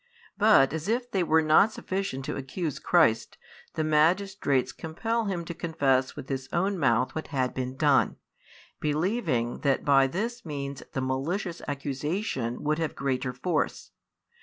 But as if they were not sufficient to accuse Christ, the magistrates compel him to confess with his own mouth what had been done, believing that by this means the malicious accusation would have greater force.